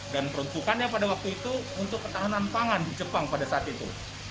peruntukannya pada waktu itu untuk ketahanan pangan di jepang pada saat itu